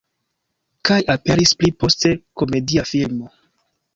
Kaj aperis pli poste komedia filmo.